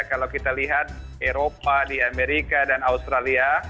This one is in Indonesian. kalau kita lihat eropa di amerika dan australia